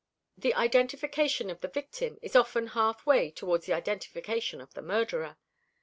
The identification of the victim is often half way towards the identification of the murderer.